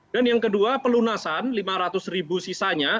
dan yang kedua pelunasan rp lima ratus sisanya